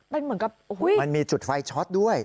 เป็นเหมือนกับมันมีจุดไฟช็อตด้วย